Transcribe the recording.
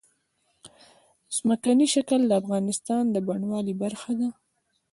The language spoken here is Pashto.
ځمکنی شکل د افغانستان د بڼوالۍ برخه ده.